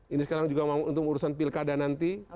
ini sekarang juga untuk urusan pilkada nanti